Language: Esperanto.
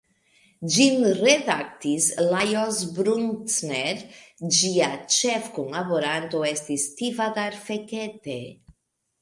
Ĝin redaktis Lajos Bruckner, ĝia ĉefkunlaboranto estis Tivadar Fekete.